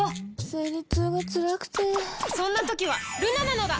生理痛がつらくてそんな時はルナなのだ！